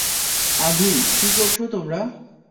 আভি, কি করছ তোমারা?